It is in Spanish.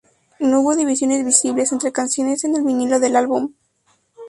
No hubo divisiones visibles entre canciones en el vinilo del álbum.